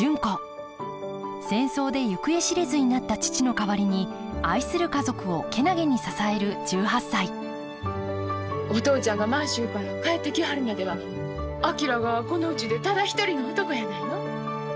戦争で行方知れずになった父の代わりに愛する家族を健気に支える１８歳お父ちゃんが満州から帰ってきはるまでは昭がこのうちでただ一人の男やないの。